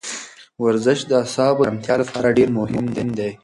ورزش د اعصابو د ارامتیا لپاره ډېر مهم دی.